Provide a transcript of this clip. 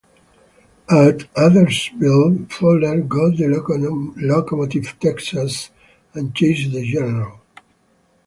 At Adairsville, Fuller got the locomotive "Texas" and chased the "General".